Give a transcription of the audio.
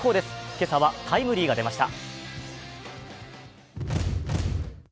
今朝はタイムリーが出ました。